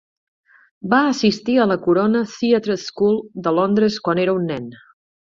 Va assistir a la Corona Theatre School de Londres quan era un nen.